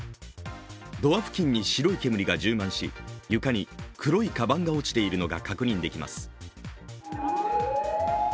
ドア付近に白い煙が充満し、床に黒いかばんが落ちているのが確認できます。